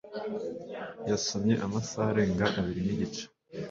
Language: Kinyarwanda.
Yasomye amasaha arenga abiri nigice.